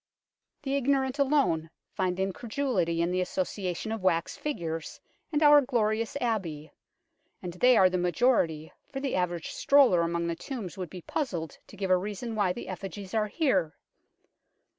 The ignorant alone find incongruity in the association of wax figures and our glorious Abbey, and they are the majority, for the average stroller among the tombs would be puzzled to give a reason why the effigies are here.